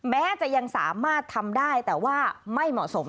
แม้จะยังสามารถทำได้แต่ว่าไม่เหมาะสม